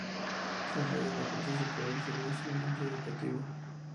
Tras la guerra, participó del Servicio Indio Educativo.